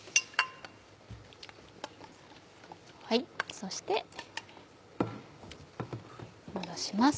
そして戻します。